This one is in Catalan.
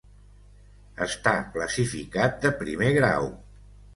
Està classificat de Primer Grau.